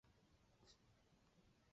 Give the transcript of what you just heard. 独居性。